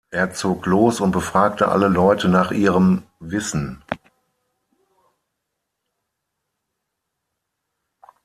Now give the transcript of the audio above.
Er zog los und befragte alle Leute nach ihrem Wissen.